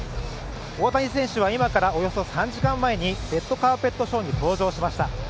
大谷選手は今からおよそ３時間前にレッドカーペットショーに登場しました。